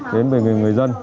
đến với người dân